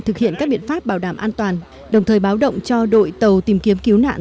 thực hiện các biện pháp bảo đảm an toàn đồng thời báo động cho đội tàu tìm kiếm cứu nạn